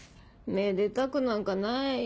めでたくなんかない。